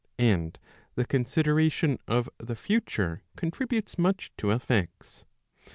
And the consideration of the future contributes much to effects.